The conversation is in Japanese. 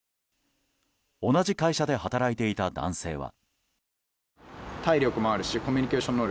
同じ会社で働いていた男性は。